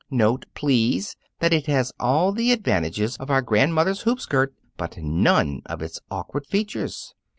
Note, please, that it has all the advantages of our grandmother's hoop skirt, but none of its awkward features.